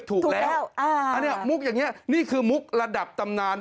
ถูกแล้วอันนี้มุกอย่างนี้นี่คือมุกระดับตำนาน